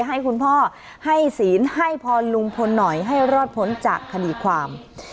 ให้คุณพ่อให้ศีลให้พรลุงพลหน่อยให้รอดพ้นจากคดีความ